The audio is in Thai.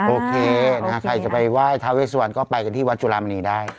โอเคใครจะไปไหว้ทาเวสวันก็ไปกันที่วัดจุลามณีได้